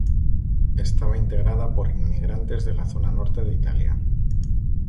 Estaba integrada por inmigrantes de la zona norte de Italia.